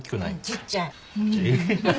ちっちゃい？